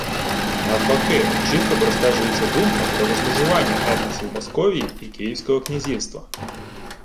Навпаки – чітко простежується думка про розмежування етносів Московії і Київського князівства